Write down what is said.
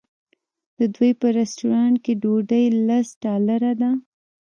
د دوی په رسټورانټ کې ډوډۍ لس ډالره ده.